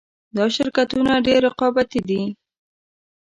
دا شرکتونه ډېر رقابتي دي